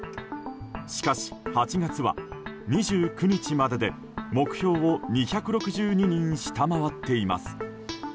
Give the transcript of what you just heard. しかし、８月は２９日までで目標を２６２人下回っています。